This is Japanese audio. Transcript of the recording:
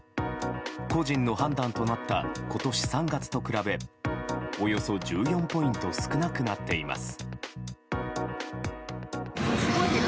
個人の判断となった今年３月と比べおよそ１４ポイント少なくなっています。